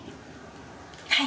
はい！